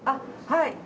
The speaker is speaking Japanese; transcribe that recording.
はい。